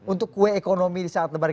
untuk kue ekonomi di saat lebaran